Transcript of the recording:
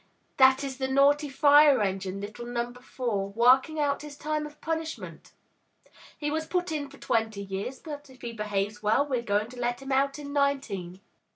That is the naughty fire engine, little Number Four, working out his time of punishment. He was put in for twenty years, but if he behaves well, we're going to let him out in nineteen!'